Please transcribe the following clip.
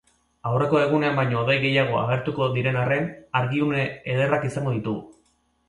Aurreko egunean baino hodei gehiago agertuko diren arren, argiune ederrak izango ditugu.